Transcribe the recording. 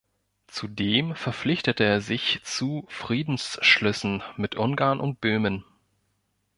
Zudem verpflichtete er sich zu Friedensschlüssen mit Ungarn und Böhmen.